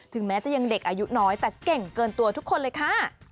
แม้จะยังเด็กอายุน้อยแต่เก่งเกินตัวทุกคนเลยค่ะ